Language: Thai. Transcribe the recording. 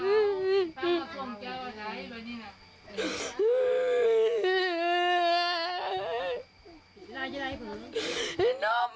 นั่งนั่งนั่งนั่งนั่งนั่งนั่งนั่งนั่งนั่งนั่งนั่งนั่งนั่งนั่ง